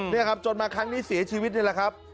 นี่ครับจนมาครั้งนี้เสียชีวิตนี่แหละครับ